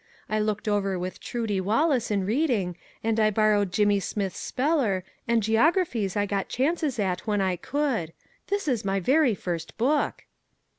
I looked over with Trudie Wallace in reading, and I borrowed Jimmie Smith's speller, and geogra phies I got chances at when I could. This is my very first book."